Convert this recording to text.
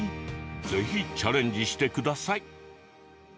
ぜひチャレンジしてください。